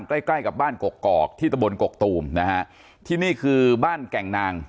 ใกล้ใกล้กับบ้านกกอกที่ตะบนกกตูมนะฮะที่นี่คือบ้านแก่งนาง